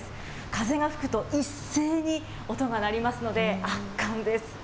風が吹くと一斉に音が鳴りますので、圧巻です。